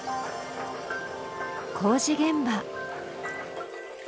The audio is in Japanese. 工事現場。